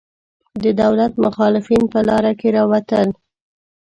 د دولت مخالفین په لاره کې راوتل.